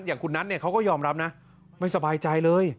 อย่างคุณนัทเขาก็ยอมรับนะไม่สบายใจเลย